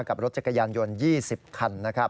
กับรถจักรยานยนต์๒๐คันนะครับ